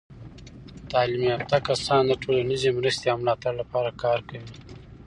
تعلیم یافته کسان د ټولنیزې مرستې او ملاتړ لپاره کار کوي.